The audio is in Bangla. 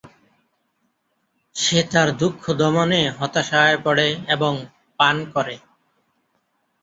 সে তার দু: খ দমনে হতাশায় পড়ে এবং পান করে।